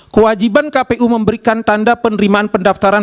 kewajiban kpu memberikan tanda penerimaan pendaftaran